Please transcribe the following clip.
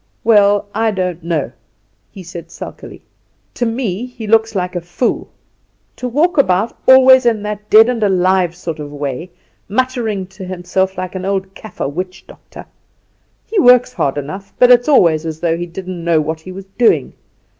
"Well, I don't know," he said sulkily; "to me he looks like a fool. To walk about always in that dead and alive sort of way, muttering to himself like an old Kaffer witchdoctor! He works hard enough, but it's always as though he didn't know what he was doing.